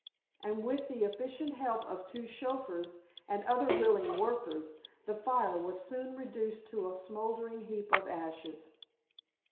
And with the efficient help of two chauffeurs and other willing workers the fire was soon reduced to a smouldering heap of ashes.